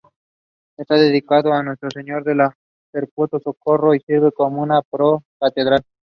Está dedicado a Nuestra Señora del Perpetuo Socorro, y sirve como una pro-catedral.